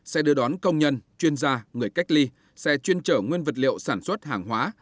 sẽ đưa đón công nhân chuyên gia người cách ly sẽ chuyên trở nguyên vật liệu sản xuất hàng hóa